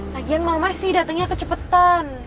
lagian mama sih datangnya kecepetan